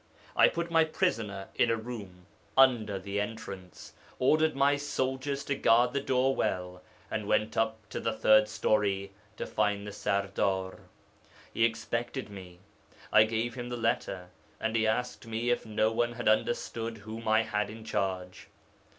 I put my prisoner in a room under the entrance, ordered my soldiers to guard the door well, and went up to the third story to find the Serdar. 'He expected me. I gave him the letter, and he asked me if no one had understood whom I had in charge.